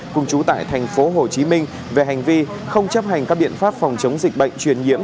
cùng chú tại tp hcm về hành vi không chấp hành các biện pháp phòng chống dịch bệnh truyền nhiễm